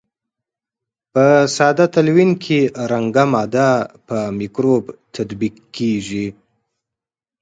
په ساده تلوین کې رنګه ماده په مکروب تطبیق کیږي.